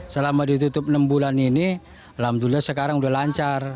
selama ditutup enam bulan ini alhamdulillah sekarang sudah lancar